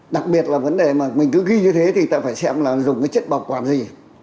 đặc biệt là vấn đề mà mình cứ ghi như thế thì ta phải xem là dùng cái chất bảo quản gì